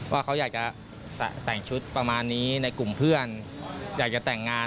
ว่าเขาอยากจะแต่งชุดประมาณนี้ในกลุ่มเพื่อนอยากจะแต่งงาน